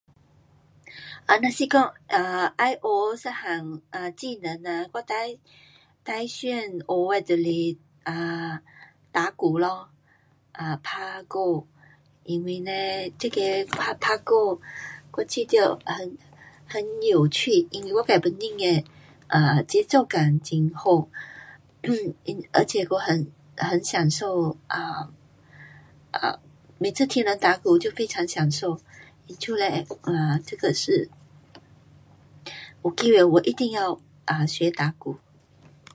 啊，若是讲，啊，要学一样技能啊，我最，最想学的就是，啊，打鼓咯，啊，打鼓，因为嘞这个打，打鼓我觉得很有趣，因为我自本身的节奏感会好，